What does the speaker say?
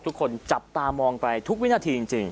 ทุกคนจับตามองไปทุกวินาทีจริง